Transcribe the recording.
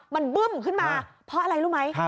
มันบึ้มขึ้นมาเพราะอะไรรู้ไหม